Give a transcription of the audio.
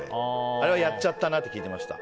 あれはやっちゃったなって聞いてました。